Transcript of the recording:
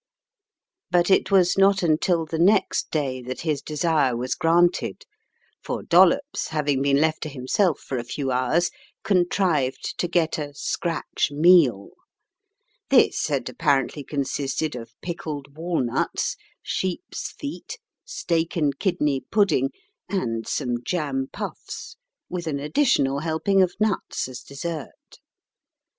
But it was not until the next day that his desire was granted, for Dollops, having been left to himself for a few hours, contrived to get a " scratch meal." This had apparently consisted of pickled walnuts, sheep's feet, steak and kidney pudding, and some jam puffs, with an additional helping of nuts as dessert.